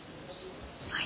はい。